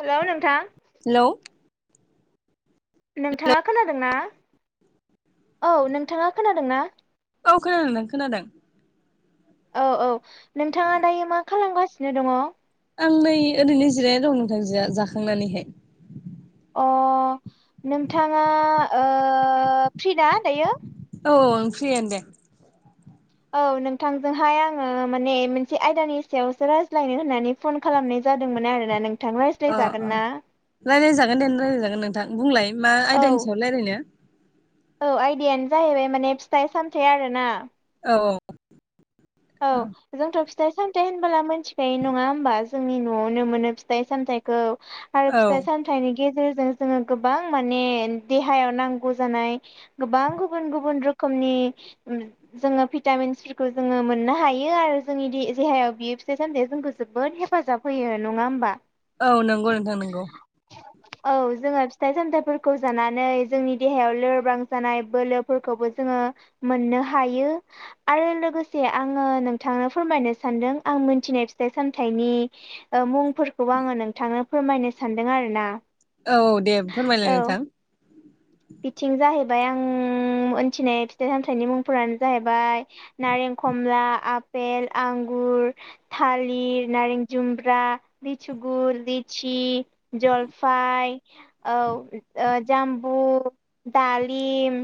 Hello नोंथां hello औ नोंथाङा खोनादोंना? औ नोंथाङा खोनादोंना? औ खोनादों नोंथां खोनादों औ औ नोंथाङा दायो मा खालामगासिनो दङ? आं नै ओरैनो जिरायनानै दं नोंथां जिया जाखांनानैहाय। अ नोंथाङा ओ फ्रिना दायो? औ आं फ्रियानो दे औ नोंथांजोंहाय आङो माने मोनसे आयदानि सायावसो रायज्लायनो होननानै फन खालामनाय जादोंमोन आरोना नों अ अ रायलायजागोन दे रायलायजागोन नोंथां बुंलाय मा औ आयदानि सायाव रायलायनो औ आयदायानो जाहैबाय माने फिथाइ सामथाइ आरोना औ औ जोंथ' फि फिथाइ सामथाइ होमब्ला मोनथिखायो नङा होमबा जोंनि न'आवनो मोनो फिथाइ सामथाइखौ आरो औ फिथाइ सामथाइनि गेजेरजों जोङो गोबां माने देहायाव नांगौ जानाय गोबां गुबुन गुबुन रो खोमनि जोङो भिटामिन्सफोरखौ जोङो मोन नो हायो आरो जोंनि देहायाव बियो फिथाइ सामथाइया जोंखौ जोबोद हेफाजाब होयो नङा होमबा? औ नंगौ नोंथां नंगौ। औ जोङो फिथाइ सामथाइफोरखौ जानानै जोंनि देहायाव लोरबां जानाय बोलोफोरखौ जोङो मोननो हायो आरो लोगोसे आङो नोंथांनो फोरमायनो सान्दों आं मोनथिनाय फिथाइ सामथाइनि ओ मुं फोरखौबो आङो नोंथांनो फोरमायनो सानदों आरोना। औ दे फोरमायलाय औ नोंथां। बिथिं जाहैबाय आं मोनथिनाय फिथाइ सामथाइनि मुंफोरानो जाहैबाय नारें, खमला आपेल, आंगुर, थालिर, नारें जुमब्रा, लिसुगुर, लित्चि, यि जलफाय औ ओ जाम्बु, दालिम,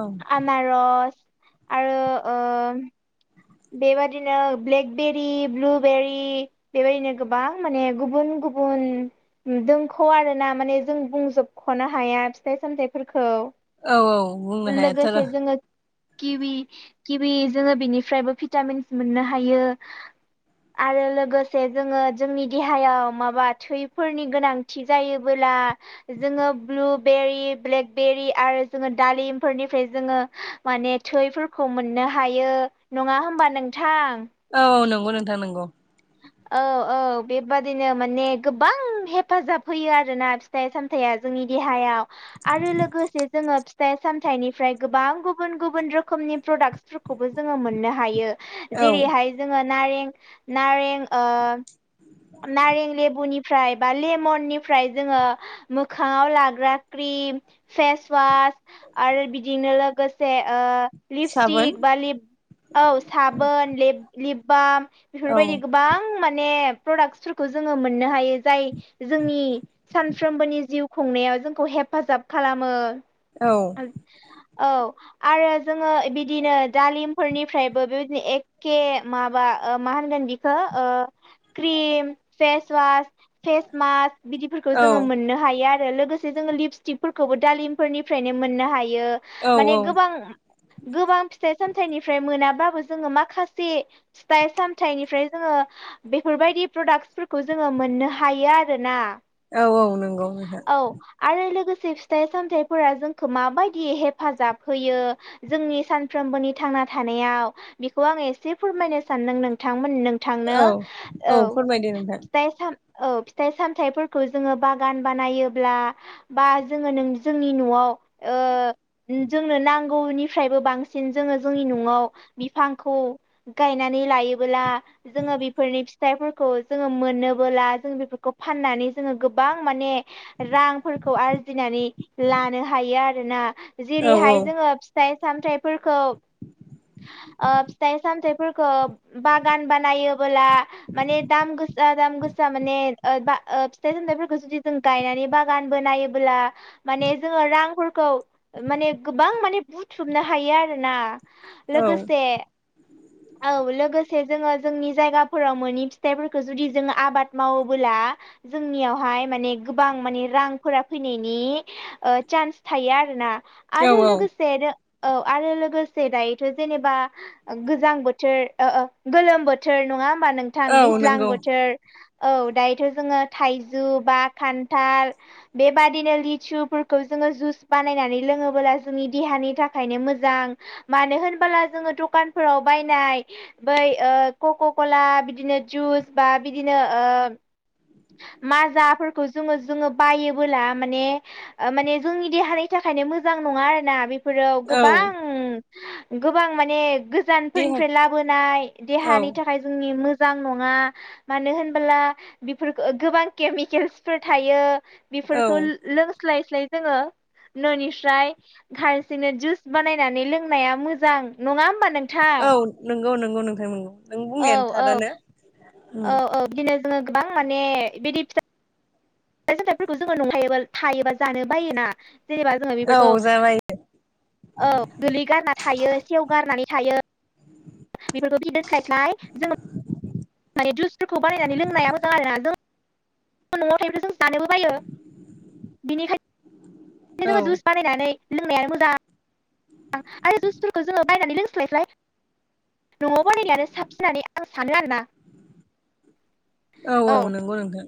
औ आनारस आरो ओ बेबायदिनो ब्लेकबेरि, ब्लुबेरि बेबायदिनो गोबां माने गुबुन गुबुन दोंख' आरोना माने जों बुंजोबख'नो हाया फिथाइ सामथाइफोरखौ औ औ बुंनो हायाथ' र' लोगोसे जोङो किबि किबि जोङो बेनिफ्रायबो भिटामिन मोननो हायो। आरो लोगोसे जोङो जोंनि देहायाव माबा थैफोरनि गोनांथि जायोबोला आ जोङो ब्लुबेरि, ब्लेकबेरि आरो जोङो दालिमफोरनिफ्राय जोङो माने थैफोरखौ मोननो हायो नङा होमबा नोंथां? औ नंगौ नोंथां नंगौ। औ औ बेबादिनो माने गोबां हेफाजाब होयो आरोना फिथाइ सामथाइया। जोंनि देहायाव। आरो लोगोसे जोङो फिथाइ सामथाइनिफ्राय गोबां गुबुन गुबुन रोखोमनि प्रडाक्ट फोरखौबो जोङो मोननो हायो औ जेरै हाय जोङो नारें नारें ओ नारें लेबुनि फ्राय बा लेमननिफ्राय जोङो मोखाङाव लाग्रा क्रिम फेसवास आरो बिदिनो लोगोसे ओ साबोन लिपस्टिक बा ल औ साबोन ल लिप बाम। औ बेफोरबायदि गोबां माने। प्रडाक्सफोरखौ जोङो मोननो हायो जाय जोंनि सानफ्रोमबोनि जिउ खुंनायाव जोंखौ हे हेफाजाब खालामो औ औ आरो जोङो बिदिनो। दालिमफोरनिफ्रायबो बेबायदिनो एखे माबा। माहानगोन बिखौ क्रिम फेसवास। फेस मास्क बिदिफोरखौ औ जोङो मोननो हायो आरो आरो लोगोसे जोङो लिपस्टिकफोरखौबो दालिमफोरनिफ्रायनो मोननो हायो औ माने गोबां। गोबां फिथाइ सामथाइनिफ्राय मोनाबाबो जोङो माखासे फिथाइ साम। थाइनिफ्राय जोङो बेफोरबायदि प्रडाक्टसफोरखौ जोङो मोननो हायो आरो ना। औ औ नंगौ नोंथां औ आरो लोगोसे। सि फिथाइ सामथफोरा जोंखौ माबायदि हेफाजाब होयो जोंनि सानफ्रोमबोनि थां थानायाव बेखौ आं एसे फोरमायनो सानदों नोंथांमोन। थांनो औ औ फोरमायदो नोंथां फिथाइ साम औ फिथाइ सामथायाइफोरखौ जोङो बागान बानायोब्ला बा जोङो न जोंनि न'आव। ओ जोंनो नांगौनिफ्रायबो बांसिन जोङो जोंनि न'आव बिफांखौ। खौ गायननै लायोब्ला फिथाइफोरखौ जोङो मोनोबोला जों बेफोरखौ फाननानै जोङो गोबां माने रां। आरजिनानै लानो हायो आरोना औ जेरैहाय जोङो फिथाइ। सामथायफोरखौ फिथाइ सामथायाइफोरखौ। बागान बानायोबोला माने दाम गोसा दाम गोसा माने ओ फिथाइ। फोरखौ जुदि जों गायनानै बागानबो नायोब्ला माने जोङो रांफोरखौ माने। गोबां माने बुथुमनो हायो आरोना औ लोगोसे औ। लोगोसे जोङो जोंनि जायगाफोराव मोनि फिथाइफोरखौ जुदि जोो आबाद मावोबोला जोंनियाव हाय माने गोबां माने रांफोरा फैनायनि चान्स थायो आरोना औ आरो औ लोगोसे रो औ आरो लोगोसे दायोथ' जेनेबा गोजां बोथोर। गोलोम बोथोर नङा होमबा नोंथां औ दैज्लां नंगौ बोथोर औ दायोथ' जोङो थाइजौ बा खान्थाल बेबाददिनो लिथुफोरखौ जोङो जुस बानायनानै लों लोङोबोला जोंनि देहानि थाखायनो मोजां मानो होनबोला जोङो दखानफोराव बायनाय। बै कक' कला बिदिनो जुस बा बिदिनो। माजाफोरखौ जोङो जोङो बायोबोला माने माने जोंनि देहानि थाखाय। नो मोजां नङा आरोना बे। फोर औ गोबां गोबां माने देहा गोजानफोरनिफ्राय लाबो। औ देहानि थाखाय जोंनि मो। मोजां नङा मानो होनबोला बेफोरफोरखौ गोबां केमिकेल्सफोर थायो। औ बेफोरखौ लोंस्लाय स्लाय जोङो। न'निफ्राय हारसिंनो जुइस बानायनानै लोंनाया मोजां नङा। हामा नोंथां। नगौ नगौ नोंथां नंगौ नों औ बुंनायानो थारानो उम औ-औ-औ बिदिनो जोङो गोबां माने बिदि फिसा जोंथायाइफोरखौ जोङो नंखायोबा थायोबा जानो बायोना जेनेबा जोङो बेफोरखौ। औ जाबाय औ गोरलै गारना थायो सेव गारनानै थायो। [inaudible] [inaudible] न'आव थायोब्ला जों जानोबो बायो बिनिखायनो औ जुस बानायनानै लोंनायानो मोजां आरो जुसफोरखौ जोङो बायनानै लोंस्लाय फ्राय [inaudible] औ औ नंगौ नोंथां।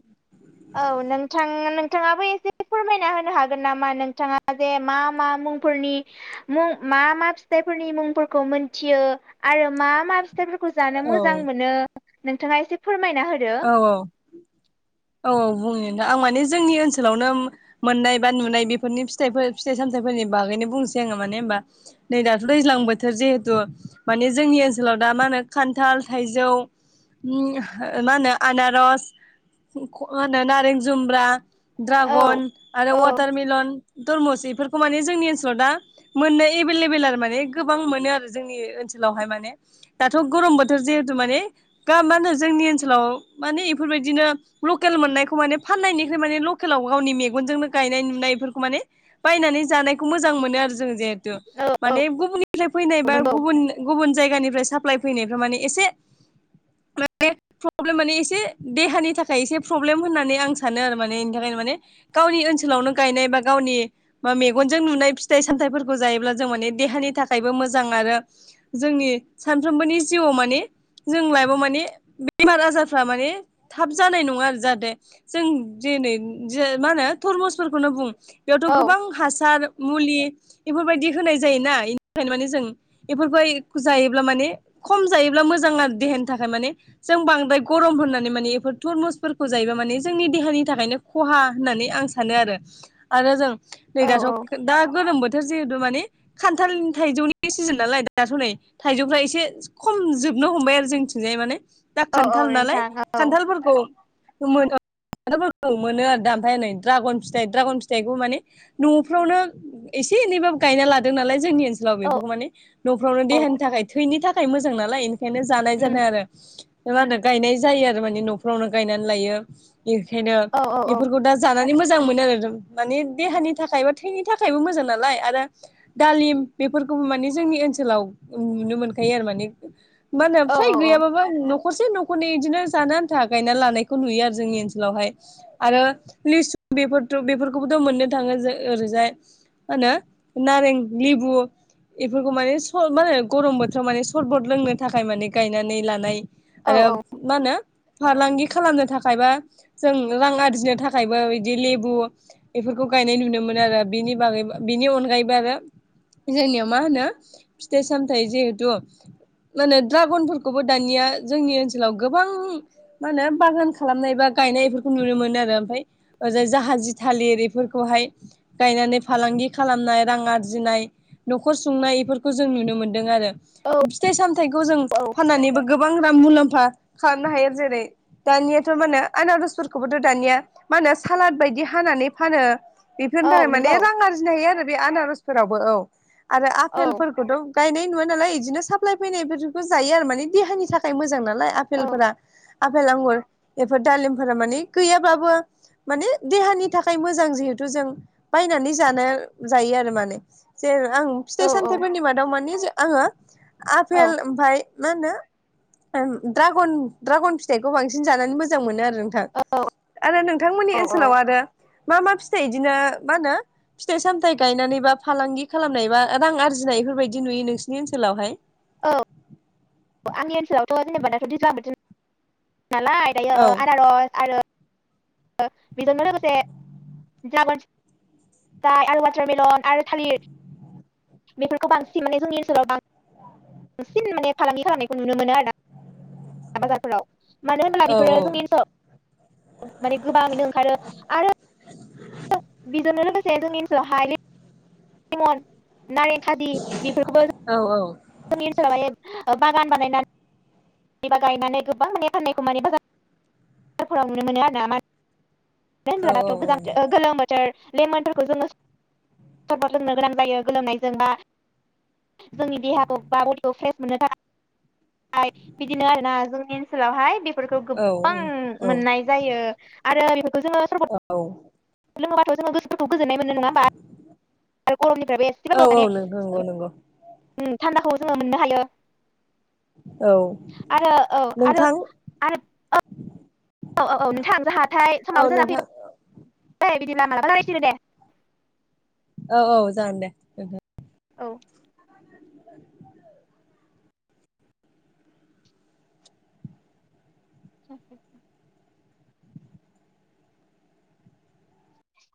औ नोंथां नोंथाङाबो एसे फोरमायना होनो हागोन नामा नोंथाङा जे मा मा मुंफोरनि मु मा मा फिथाफोरनि मुंफोरखौ मोनथियो आरो मा मा फिथाइफोरखौ जानो औ मोजां मोनो नोंथाङा एसे फोरमायना होदो औ-औ-औ-औ। बुंनि नोंथां आं माने जोंनि ओनसोलावनो मोननाय बा नुनाय बेफोरनि फिथाफोरनि फिथाइ सामथाइफोरनि बागै बुंसै आं माने होनबा नै दाथ' दैज्लां बोथोर जिहेतु माने जोंनि ओनसोलाव दा मा होनो का खान्थाल थाइजौ उम मा होनो आनारस [unintelligible] नारे जुमब्रा, औ ड्रागन आरो औ वाटार मिलन धरमुस इफोरखौ माने जोंनि ओनसोलाव दा मोननाय एबेलेबेल आरो माने गोबां मोनो आरो जोंनि ओनसोलावहाय माने दाथ' गरम बोथोर जिहेथु माने गा मा होनो जोंनि ओनसोल सोलाव माने एफोरबायदिनो लकेल मोननायखौ माने फाननायनिख्रु माने लकेलाव गावनि मेगनजोंनो गाय गायनाय नुनाय इफोरखौ माने बायनानै जानायखौ मोजां मोनो आरो जों जिहेथु औ औ माने गुबुननिफ्राय फैनाय बा नंगौ गुबुन गुबुन जायगानिफ्राय साप्लाय फैनायफ्रा माने एसे माने प्रब्लेम माने एसे देहानि थाखाय एसे प्रब्लेम होननानै आं सानो आरो माने इनि थाखायनो माने गावनि ओनसोलावनो गायनाय बा गावनि मा मेगनजों नुनाय फिथाइ सामथाइफोरखौ जायोब्ला जों माने देहानि थाखाय बो मोजां आरो जोंनि सानफ्रोमबोनि जिउआव माने जों लाइपआव माने बेमार आजारफ्रा माने थाब जानाय नङा आरो जाहाथे जों दिनै दि मा होनो तुरमुसफोरखौनो बुं बेयावथ' औ गोबां हासार मुलि बेफोरबायदि होनाय जायोना इनि थाखायनो माने जों बेफोरखौ जायोब्ला माने खम जायोब्ला मोजां आरो देहानि थाखाय माने जों बांद्राय गरम होननानै माने बेफोर थरमुसफोरखौ जायोबा माने जोंनि देहानि थाखायनो खहा होननानै आं सानो आरो आरो जों नै औ औ दाथ' दा गोलोम बोथोर जे हेथु माने खान्थालनि थाइजौनि सिजेन नालाय दाथ' नै थाइजौ एसे खम जोबनो हमबाय आरो जोंथिंजाय माने दा औ औ खान्थाल नालाय नोंथां औ खान्थालफोरखौ मोनो खान्थालफोरखौ मोनो आरो दा ओमफाय नै द्रागन फिथाइ द्रागन फिथाइखौ माने न'फ्रावनो एसे एसे एनैबाबबो गायना लादों नालाय जोंनि ओनसोलाव औ बेफोरखौ माने न'फ्रावनो औ देहानि थाखाय थैनि थाखाय मोजां नालाय बेखायनो जानाय उम जादों आरो मा होनो गायनाय जायो आरो माने न'फ्रावनो गायनानै लायो। बेखायनो औ औ बेफोरखौ दा जानानै मोजां मोजां मोनो आरो माने देहानि थाखाय बा थैनि थाखायबो मोजां नालाय आरो दालिम बेफोर खौ माने जोंनि ओनसोलाव नुनो मोनखायो आरो माने मा होनो फ्राय औ औ गैयाबाबो न' नखरसे न'खरनै इदिनो जानो आन्था गायना लानायखौ नुयो आरो जोंनि ओनसोलावहाय आरो लिसु बेफोरथ बेफोरखौबोथ' मोननो थाङो जो ओरैजाय मा होनो नारें लिबु बेफोरखौ माने स मा होनो गरम बोथोराव माने सरबट लोंनो थाखाय माने गायनानै लानाय आरो औ मा होनो फालांगि खालामनो थाखायबा जों रां आरजिनो थाखायबो बिदि लेबु बेफोरखौ गायनाय नुनो मोनो आरो बिनि बागैबो बिनि अनगायैबो आरो जोंनियाव मा होनो फिथाइ सामथाय जिहेथु माने ड्रागनफोरखौबो दानिया जोंनि ओनसोलाव गोबां मा होनो बागान खालामनाय बा गायनाय इफोरखौ नुनो मोनो आरो ओमफाय ओजाय जाहाजि थालिर इफोरखौहाय गायनानै फालांगि खालामनाय रां आरजिनाय न'खर सुंनाय इफोरखौ जों नुनो मोन्दों आरो फिथाइ सामथायखौ जों औ फाननानैबो गो मुलाम्फा खालामनो हायो जेरै दानियाथ' माने आनारसफोरखौबोथ' दानिया मा होनो सालाद बायदि हानानै फानो बेफोरनि थाखाय औ नंगौ माने रां आरजिनो हायो आरो बे आनारसफोरावबो औ आरो औ आफेलफोरखौथ' गायनाय नुवा नालाय इदिनो साप्लाय फैनायफोरखौ जायो आरो माने देहानि थाखाय मोजां ना लाइ औ आफेलफोरा आफेल आंगुर बेफोर दालिमफोरा माने गैयाबाबो माने देहानि थाखाय मोजां जिहेतु थ' जों बायनानै जानो जायो आरो माने ज आं औ फिथाइ सामथाइफोरनि मादाव मानि आङो आफेल ओमफ्राय मा होनो द्रागन ड्रागन फिथाइखौ बांसिन जानानै मोजां मोनो आरो नोंथां आरो नोंथांमोननि औ ओनसोलाव आरो मा मा फिथाइ बिदिनो मा होनो फिथाइ सामथायाइ गायनानै बा फालांगि खालामनाय बा रां आरजिनाय बेफोरबायदि नुयो नोंसिनि ओनसोलावहाय औ आंनि ओनसोलावथ' जनोबाथ'दि जाब औ नालायआरो [unintelligible] जाय आरो वाटारमेलन आरो थालिर बेफोरखौ बांसिन माने जोंनि ओनसोलाव बांसिन बांसिन माने फालांगि खालामनायखौ नुनो मोनो आरो ना बाजारफोराव मानो होनब्ला औ बेफोरो जोंनि ओनसोलाव माने गोबाङैनो ओंखारो आरो बिजिरनो लोगोसे जोंनि हानि नारें थादि बेफोरखौबो औ जोंनि ओनसोलावहाय बागान बानायनानै जेनेबा गायनानै गोबां माने फान्नायखौ मानि बाजार बाजारफोराव नुनो मोनो आरो ना मा औ जेनबाराथ' औ गोजां गोलोम बोथोर लेमोननफोरखौ जोङो सबार लोंनो गोनान बायो गोलोमनायजोंबा जोंनि देहाखौ बा बडिखौ फ्रेस मोननो थाखाय बिदिनो आरो ना जोंनि ओनसोलावहाय बेफोरखौ औ गोबां औ मोननाय जायो आरो औ [inaudible] खौ गोजोन्नाय मोनो नंङा होमबा गरमनिफ्रायबो औ एसेबाबो माने औ नोंगौ नंगौ नंगौ थान्दाखौ जोङो मोननो हायो। औ आरो औ आरो नोंथां औ औ औ नोंथाङानो ज हाथाय साबो औ जाना नोंथां फैबा द बिदिब्ला मालाबा जालायसिनो दे औ औ जागोन दे। औ [inaudible]